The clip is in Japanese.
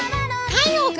太陽君？